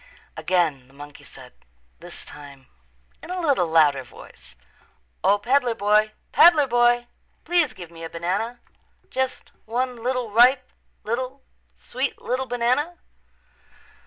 Again the monkey said, this time in a little louder voice, "O, peddler boy, peddler boy, please give me a banana, just one little, ripe little, sweet little banana."